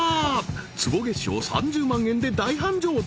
坪月商３０万円で大繁盛店